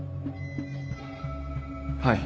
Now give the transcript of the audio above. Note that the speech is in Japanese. はい。